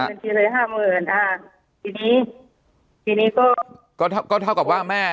บัญชีเลยห้าหมื่นอ่าทีนี้ทีนี้ก็ก็เท่าก็เท่ากับว่าแม่